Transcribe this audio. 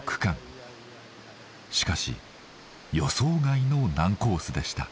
しかし予想外の難コースでした。